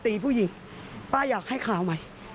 ผู้หญิงป้าอยากให้ข่าวใหม่